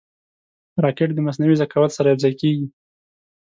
راکټ د مصنوعي ذکاوت سره یوځای کېږي